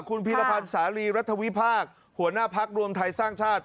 คุณพีรพันธ์สาลีรัฐวิพากษ์หัวหน้าพักรวมไทยสร้างชาติ